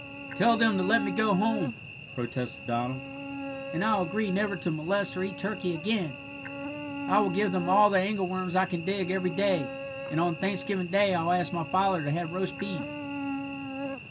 "Tell them to let me go home," protested Donald, "and I'll agree never to molest or eat turkey again; I will give them all the angleworms I can dig every day, and on Thanksgiving Day I'll ask my father to have roast beef."